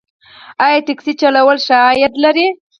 آیا ټکسي چلول ښه عاید لري؟